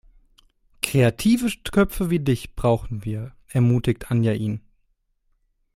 "Kreative Köpfe wie dich brauchen wir", ermutigte Anja ihn.